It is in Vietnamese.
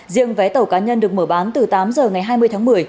riêng vé tàu cá nhân được mở bán từ tám giờ ngày hai mươi tháng một mươi